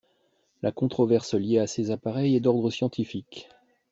La controverse liée à ces appareils est d'ordre scientifique.